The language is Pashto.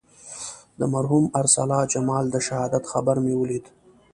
د مرحوم ارسلا جمال د شهادت خبر مې ولید.